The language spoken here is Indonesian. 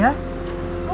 masih inget saya